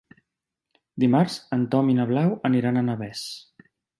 Dimarts en Tom i na Blau aniran a Navès.